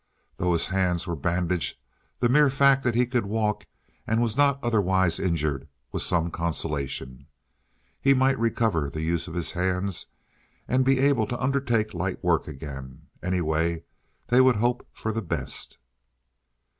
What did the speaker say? Though his hands were bandaged, the mere fact that he could walk and was not otherwise injured was some consolation. He might recover the use of his hands and be able to undertake light work again. Anyway, they would hope for the best.